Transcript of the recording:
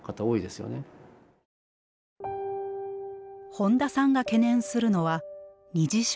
本田さんが懸念するのは二次障害。